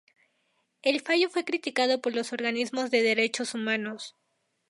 El fallo fue criticado por los organismos de derechos humanos.